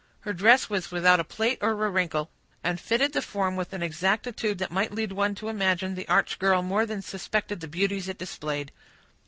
Her dress was without a plait or a wrinkle, and fitted the form with an exactitude that might lead one to imagine the arch girl more than suspected the beauties it displayed.